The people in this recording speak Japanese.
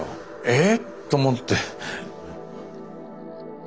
えっ⁉と思って。